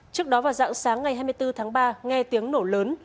trước đó vào dạng sáng ngày hai mươi bốn tháng ba nghe tiếng nổ lớn